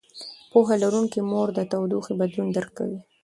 پوهه لرونکې مور د تودوخې بدلون درک کوي.